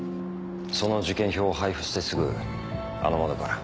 その受験票を配布してすぐあの窓から。